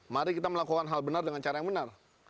mari kita melakukan hal benar dengan cara yang benar